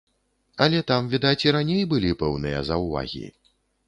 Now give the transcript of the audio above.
Але там, відаць, і раней былі пэўныя заўвагі.